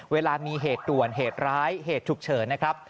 เวลามีเหตุด่วนเหตุร้ายเหตุฉุกเฉินนะครับ